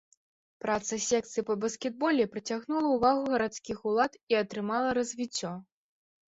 Праца секцый па баскетболе прыцягнула ўвагу гарадскіх улад і атрымала развіццё.